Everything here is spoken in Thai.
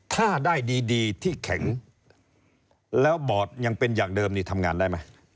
ถ้าได้ดีที่แข็งแล้วบอร์ดยังเป็นอย่างเดิมนี่ทำงานได้ไหม